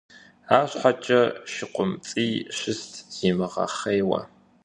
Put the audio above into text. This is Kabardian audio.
АрщхьэкӀэ ШыкъумцӀий щыст зимыгъэхъейуэ.